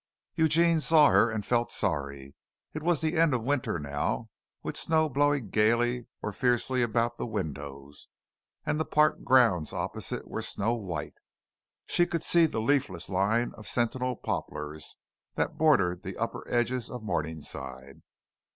Eugene saw her and felt sorry. It was the end of winter now, with snow blowing gaily or fiercely about the windows, and the park grounds opposite were snow white. She could see the leafless line of sentinel poplars that bordered the upper edges of Morningside.